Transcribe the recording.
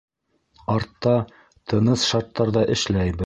Артта, тыныс шарттарҙа, эшләйбеҙ.